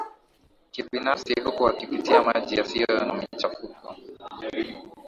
kibinafsi huku wakipitia maji yasiyo na machafuko